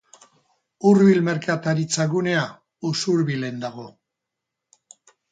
Urbil merkataritza-gunea Usurbilen dago.